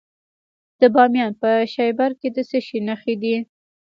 د بامیان په شیبر کې د څه شي نښې دي؟